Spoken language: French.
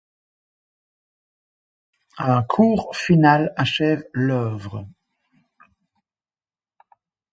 Un court finale achève l'œuvre.